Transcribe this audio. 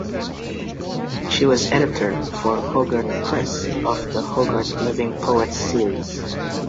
She was editor for Hogarth Press of the Hogarth Living Poets series.